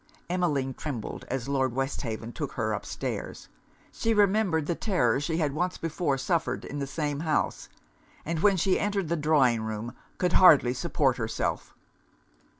Emmeline trembled as Lord Westhaven took her up stairs: she remembered the terror she had once before suffered in the same house; and when she entered the drawing room, could hardly support herself.